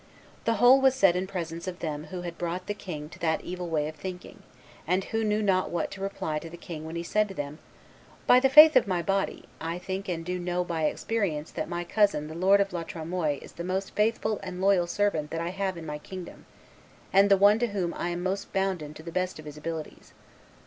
The whole was said in presence of them who had brought the king to that evil way of thinking, and who knew not what to reply to the king when he said to them, 'By the faith of my body, I think and do know by experience that my cousin the lord of La Tremoille is the most faithful and loyal servant that I have in my kingdom, and the one to whom I am most bounden to the best of his abilities.